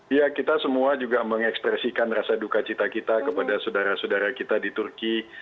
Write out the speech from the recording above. iya kita semua juga mengekspresikan rasa duka cita kita kepada saudara saudara kita di turki